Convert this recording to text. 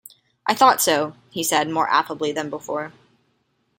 'I thought so,’ he said, more affably than before.